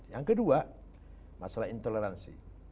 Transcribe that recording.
yang kedua masalah intoleransi